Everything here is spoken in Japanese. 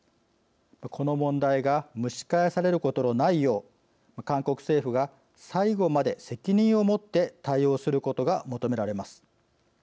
この問題が蒸し返されることのないよう韓国政府が最後まで責任をもって対応することが求められます。